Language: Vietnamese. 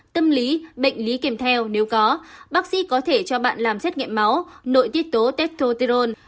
tâm lý bệnh lý kèm theo nếu có bác sĩ có thể cho bạn làm xét nghiệm máu nội tiết tố teptoterol